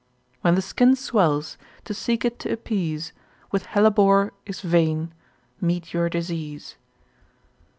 When the skin swells, to seek it to appease With hellebore, is vain; meet your disease.